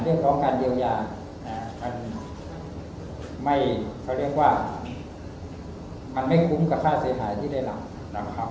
เรียกร้องการเยียวยามันไม่คุ้มกับค่าเสียหายที่ได้หลับ